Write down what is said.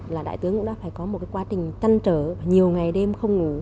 là đại tướng cũng đã phải có một quá trình tăn trở nhiều ngày đêm không ngủ